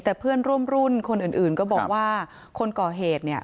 แต่เพื่อนร่วมรุ่นคนอื่นก็บอกว่าคนก่อเหตุเนี่ย